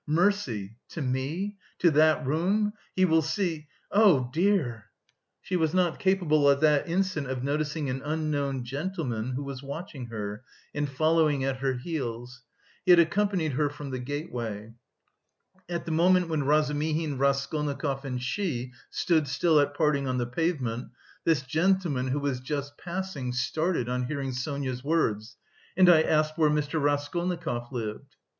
"Mercy! to me... to that room... he will see... oh, dear!" She was not capable at that instant of noticing an unknown gentleman who was watching her and following at her heels. He had accompanied her from the gateway. At the moment when Razumihin, Raskolnikov, and she stood still at parting on the pavement, this gentleman, who was just passing, started on hearing Sonia's words: "and I asked where Mr. Raskolnikov lived?"